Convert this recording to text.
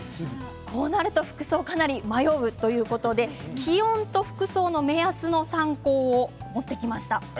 こうなると服装、かなり迷うということで気温と服装の目安の参考を持ってきました。